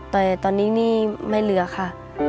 แต่ตอนนี้หนี้ไม่เหลือค่ะ